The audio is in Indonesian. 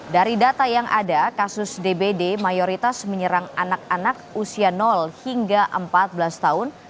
dari data yang ada kasus dbd mayoritas menyerang anak anak usia hingga empat belas tahun